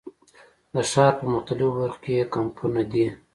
د ښار په مختلفو برخو کې یې کمپونه دي.